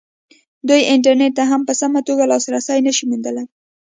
دوی انټرنېټ ته هم په سمه توګه لاسرسی نه شي موندلی.